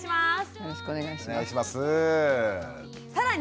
よろしくお願いします。